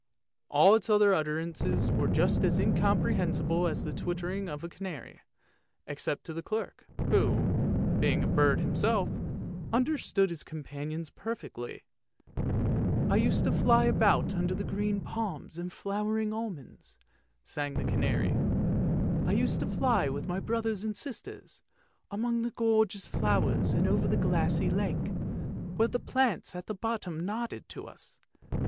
" All its other utterances were just as incomprehensible as the twittering of the canary, except to the clerk, who, being a bird himself, under stood his companions perfectly. " I used to fly about under green palms and flowering almonds," sang the canary. " I used to fly with my brothers and sisters, among gorgeous flowers and over the glassy lake, where the plants at the bottom nodded to us.